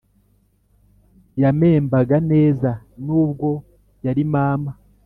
Yamembaga neza nubwo yari mama